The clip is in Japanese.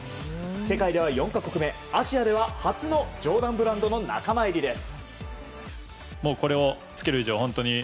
世界では４か国目アジアでは初のジョーダンブランドの仲間入りです。